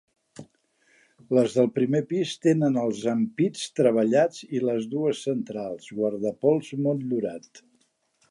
Les del primer pis tenen els ampits treballats i les dues centrals, guardapols motllurat.